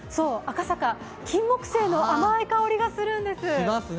赤坂、キンモクセイの甘い香りがするんです。